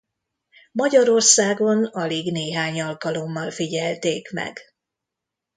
Magyarországon alig néhány alkalommal figyelték meg.